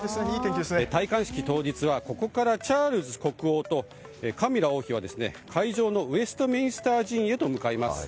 戴冠式当日は、ここからチャールズ国王とカミラ王妃は、会場のウェストミンスター寺院へと向かいます。